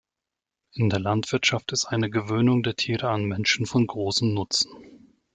In der Landwirtschaft ist eine Gewöhnung der Tiere an Menschen von großem Nutzen.